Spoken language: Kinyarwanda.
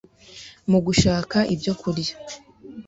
mu gushaka ibyo kurya